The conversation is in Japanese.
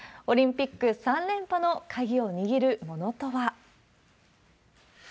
オリンピック３連覇の鍵を握るものとは。